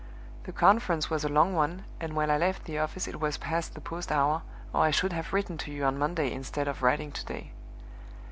The conference was a long one, and when I left the office it was past the post hour, or I should have written to you on Monday instead of writing to day.